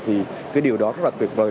thì cái điều đó rất là tuyệt vời